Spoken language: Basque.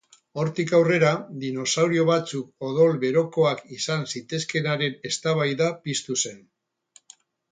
Hortik aurrera dinosauro batzuk odol-berokoak izan zitezkeenaren eztabaida piztu zen.